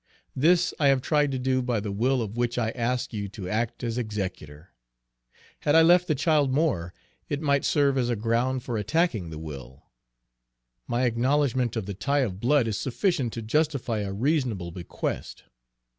This I have tried to do by the will of which I ask you to act as executor. Had I left the child more, it might serve as a ground for attacking the will; my acknowledgment of the tie of blood is sufficient to justify a reasonable bequest.